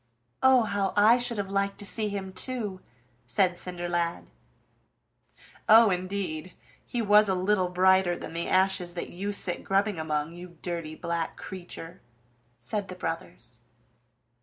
"Oh, how I should have liked to see him too!" said Cinderlad. "Oh, indeed! He was a little brighter than the ashes that you sit grubbing among, you dirty black creature!" said the brothers.